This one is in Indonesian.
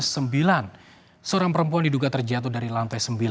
seorang perempuan diduga terjatuh dari lantai sembilan